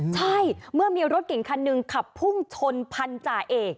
ใช่เมื่อมีรถเก่งคันหนึ่งขับพุ่งชนพันธาเอก